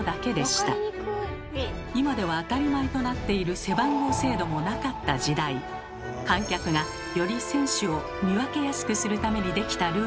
今では当たり前となっている「背番号制度」もなかった時代観客がより選手を見分けやすくするためにできたルールだといいます。